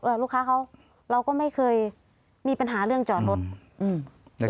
ลูกค้าเขาเราก็ไม่เคยมีปัญหาเรื่องจอดรถอืม